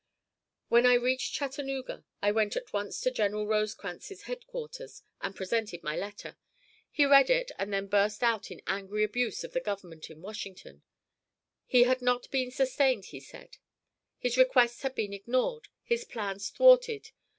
When I reached Chattanooga I went at once to General Rosecrans's headquarters and presented my letter. He read it, and then burst out in angry abuse of the Government at Washington. He had not been sustained, he said. His requests had been ignored, his plans thwarted.